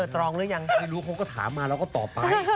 ตรองหรือยังไม่รู้เขาก็ถามมาเราก็ตอบไป